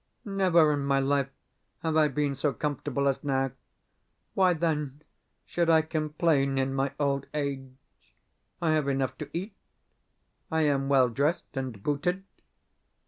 Never in my life have I been so comfortable as now. Why, then, should I complain in my old age? I have enough to eat, I am well dressed and booted.